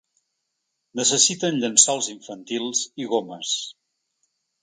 Necessiten llençols infantils i gomes.